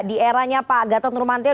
di eranya pak gatot nurmantio